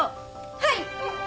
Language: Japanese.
はい！